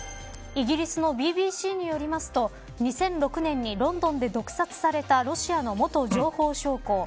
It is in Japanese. イギリスのＢＢＣによりますと２００６年にロンドンで毒殺されたロシアの元情報将校